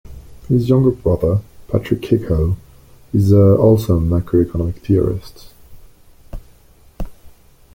His younger brother, Patrick Kehoe, is also a macroeconomic theorist.